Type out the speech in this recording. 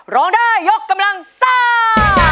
ร้องได้ยกกำลังซ่า